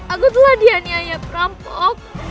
aku telah dianiaya perampok